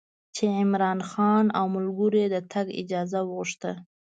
چې عمرا خان او ملګرو یې د تګ اجازه وغوښته.